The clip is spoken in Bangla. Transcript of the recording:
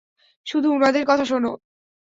শুধু উনাদের কথা শোন।